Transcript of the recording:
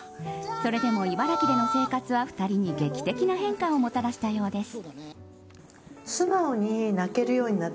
それでも、茨城での生活は２人に劇的な変化をもたらしたようです。